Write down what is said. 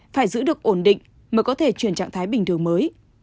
phải giữ được ổn định mới có thể chuyển trạng thái bình thường mới